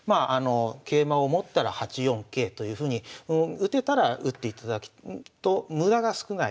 桂馬を持ったら８四桂というふうに打てたら打っていただくと無駄が少ない。